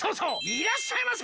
いらっしゃいませ！